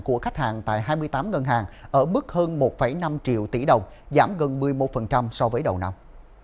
của khách hàng tại hai mươi tám ngân hàng ở mức hơn một năm triệu tỷ đồng giảm gần một mươi một so với đầu năm